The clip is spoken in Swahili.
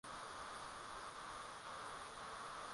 Old Town kuna mazingira ya kupendeza.